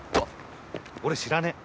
俺知らねえ。